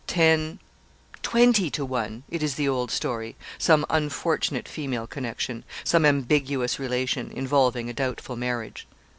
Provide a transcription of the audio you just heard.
Ten twenty to one it is the old story some unfortunate female connection some ambiguous relation, involving a doubtful marriage.'